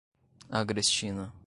Agrestina